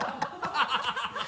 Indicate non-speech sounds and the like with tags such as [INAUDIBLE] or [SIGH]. ハハハ [LAUGHS]